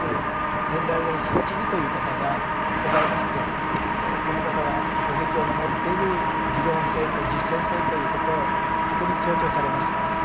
天台大師智という方がございましてこの方は法華経の持っている理論性と実践性ということを特に強調されました。